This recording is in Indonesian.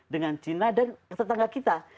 dengan cina dan tetangga kita